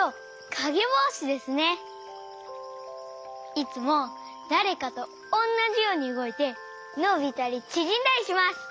いつもだれかとおんなじようにうごいてのびたりちぢんだりします！